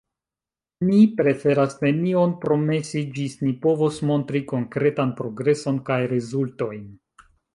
Ni preferas nenion promesi ĝis ni povos montri konkretan progreson kaj rezultojn.